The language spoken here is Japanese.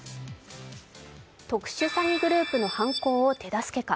特殊詐欺グループの犯行を手助けか。